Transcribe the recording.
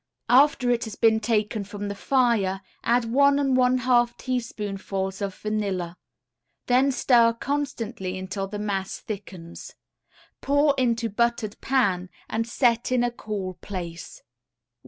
After it has been taken from the fire, add one and one half teaspoonfuls of vanilla. Then stir constantly until the mass thickens. Pour into buttered pan and set in a cool place.